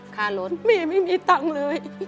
ค่ารถแม่ไม่มีตังค์เลย